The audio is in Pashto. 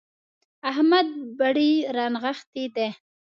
احمد بډې رانغښتې دي.